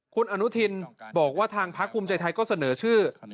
คุณอนุทินบอกว่าทางพักภูมิใจไทยก็เสนอชื่อ